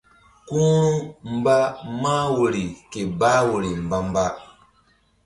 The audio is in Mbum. Ku ru̧ mba mah woyri ke bah woyri mba-mba.